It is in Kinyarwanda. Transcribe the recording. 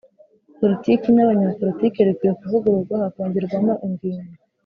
Politiki n Abanyapolitiki rikwiye kuvugururwa hakongerwamo ingingo